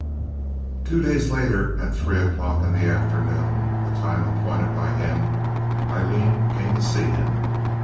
Two days later, at three o'clock in the afternoon—the time appointed by him—Aileen came to see him.